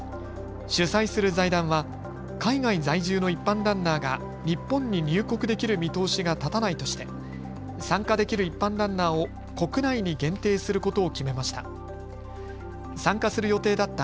主催する財団は海外在住の一般ランナーが日本に入国できる見通しが立たないとして参加できる一般ランナーを国内に限定することを決めました。